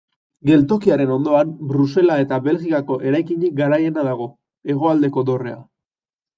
Geltokiaren ondoan, Brusela eta Belgikako eraikinik garaiena dago Hegoaldeko Dorrea.